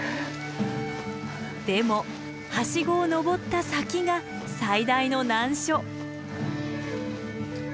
でもハシゴを登った先が最大の難所。